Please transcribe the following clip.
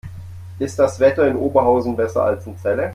Ist das Wetter in Oberhausen besser als in Celle?